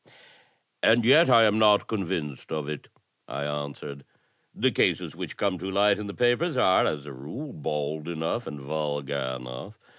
"And yet I am not convinced of it," I answered. "The cases which come to light in the papers are, as a rule, bald enough, and vulgar enough.